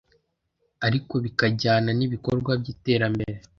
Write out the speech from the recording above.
ariko bikajyana n’ibikorwa by’iterambere